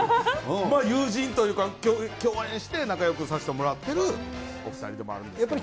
友人というか、共演して仲よくさせてもらってるお２人でもあるんですけど。